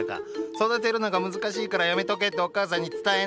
育てるのが難しいからやめとけってお母さんに伝えな。